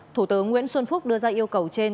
thủ tướng nguyễn xuân phúc đưa ra yêu cầu trên